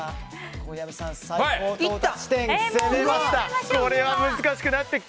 小籔さん、最高到達地点を攻めました！